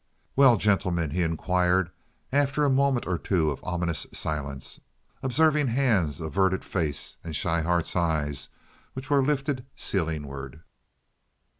"Well, gentlemen?" he inquired, after a moment or two of ominous silence, observing Hand's averted face and Schryhart's eyes, which were lifted ceilingward.